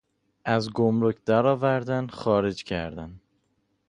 از گمرک در آوردن خارج کردن